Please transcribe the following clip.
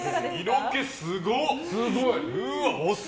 色気すご！